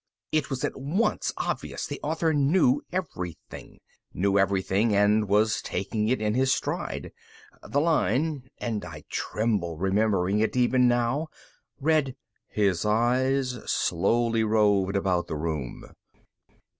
It was at once obvious the author knew everything. Knew everything and was taking it in his stride. The line (and I tremble remembering it even now) read: _... his eyes slowly roved about the room.